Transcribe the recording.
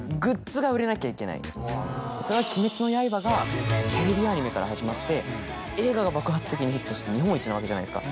それは『鬼滅の刃』がテレビアニメから始まって映画が爆発的にヒットして日本一なわけじゃないですか。